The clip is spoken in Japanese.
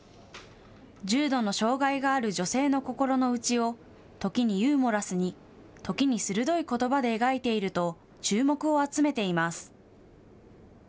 重度の障害がある女性の心の内を時にユーモラスに時に鋭いことばで描いていると注目を集めています。